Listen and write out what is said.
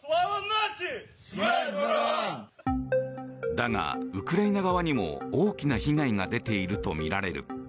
だが、ウクライナ側にも大きな被害が出ているとみられる。